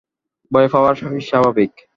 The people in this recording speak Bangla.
ভয় পাওয়ার স্বাভাবিক।